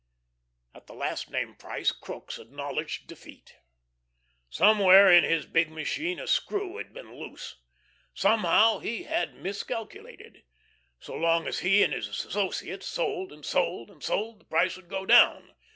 At the last named price Crookes acknowledged defeat. Somewhere in his big machine a screw had been loose. Somehow he had miscalculated. So long as he and his associates sold and sold and sold, the price would go down.